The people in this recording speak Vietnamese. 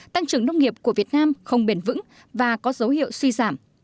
tăng trưởng nông nghiệp của việt nam không bền vững và có dấu hiệu suy giảm